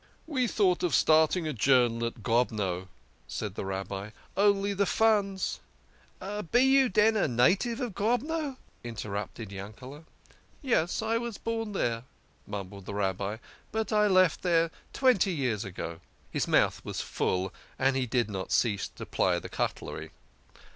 " We thought of starting a journal at Grodno," said the Rabbi, " only the funds " "Be you den a native of Grodno?" interrupted Yan kele. " Yes, I was born there," mumbled the Rabbi, " but I left there twenty years ago." His mouth was full, and he did not cease to ply the cutlery.